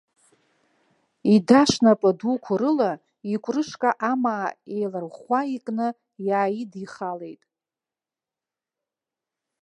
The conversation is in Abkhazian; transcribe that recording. Идашнапы дуқәа рыла икурышка амаа еиларӷәӷәа икны иааидихалеит.